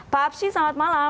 pak habsyi selamat malam